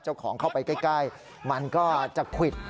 เจ้าของเข้าไปใกล้มันก็จะควิด